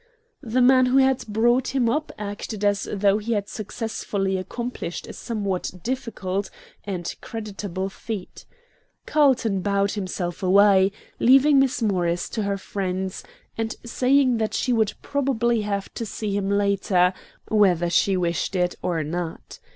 The man who had brought him up acted as though he had successfully accomplished a somewhat difficult and creditable feat. Carlton bowed himself away, leaving Miss Morris to her friends, and saying that she would probably have to see him later, whether she wished it or not.